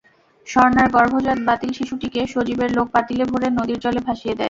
স্বর্ণার গর্ভজাত বাতিল শিশুটিকে সজীবের লোক পাতিলে ভরে নদীর জলে ভাসিয়ে দেয়।